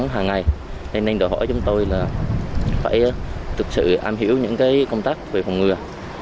phòng ngừa này nên đòi hỏi chúng tôi là phải thực sự am hiểu những cái công tác về phòng ngừa